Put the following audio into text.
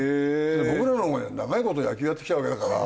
僕らのほうが長い事野球やってきたわけだから。